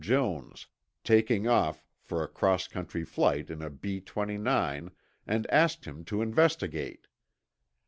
Jones, taking off for a cross country flight in a B 29, and asked him to investigate.